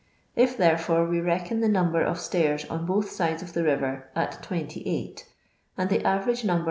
If, therefore, we reckon the number of stairs on both sides of the rirer at 28, and the average number o!